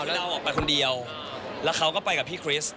เราออกไปคนเดียวแล้วเขาก็ไปกับพี่คริสต์